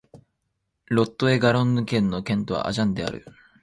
ロット＝エ＝ガロンヌ県の県都はアジャンである